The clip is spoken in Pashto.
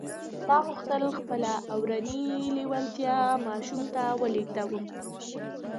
ما غوښتل خپله اورنۍ لېوالتیا ماشوم ته ولېږدوم